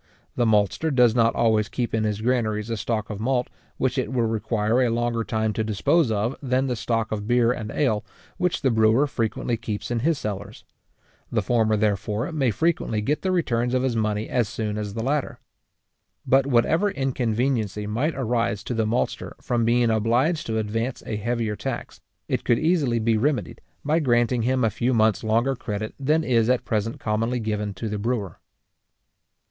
The maltster does not always keep in his granaries a stock of malt, which it will require a longer time to dispose of than the stock of beer and ale which the brewer frequently keeps in his cellars. The former, therefore, may frequently get the returns of his money as soon as the latter. But whatever inconveniency might arise to the maltster from being obliged to advance a heavier tax, it could easily be remedied, by granting him a few months longer credit than is at present commonly given to the brewer.